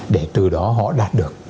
để từ đó họ đạt được